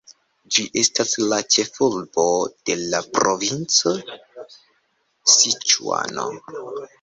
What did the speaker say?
Ĝi estas la ĉef-urbo de la provinco Siĉuano.